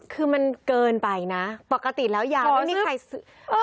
คือมันเกินไปนะปกติแล้วยาไม่มีใครซื้อ